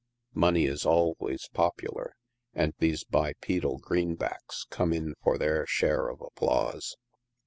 Money is always popular, and these bipedal greenbacks come in for their share of applause.